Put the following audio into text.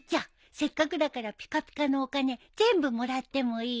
せっかくだからピカピカのお金全部もらってもいい？